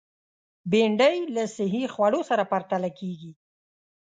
بېنډۍ له صحي خوړو سره پرتله کېږي